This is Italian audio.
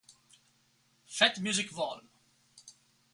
Fat Music Vol.